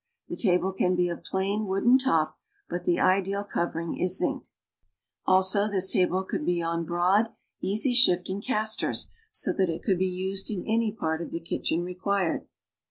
The table can be of plain wooden top, but the ideal co^•ering is zinc. Also this table could be on broad, easy shifting castors, so that it could be used in any part of the kitchen re qun ed.